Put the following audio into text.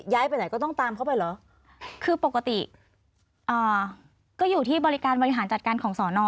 ไปไหนก็ต้องตามเข้าไปเหรอคือปกติอ่าก็อยู่ที่บริการบริหารจัดการของสอนอ